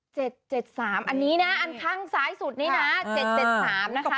เจ็ดเจ็ดสามอันนี้น่ะอันข้างซ้ายสุดนี่น่ะเจ็ดเจ็ดสามนะครับ